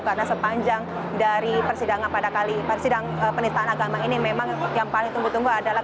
karena sepanjang dari persidangan pada kali penistaan agama ini memang yang paling ditunggu tunggu adalah